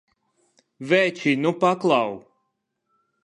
Veči, nu paklau!